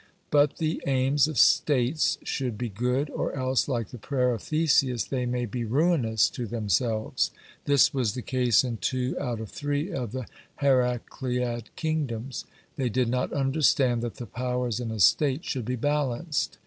But the aims of states should be good, or else, like the prayer of Theseus, they may be ruinous to themselves. This was the case in two out of three of the Heracleid kingdoms. They did not understand that the powers in a state should be balanced.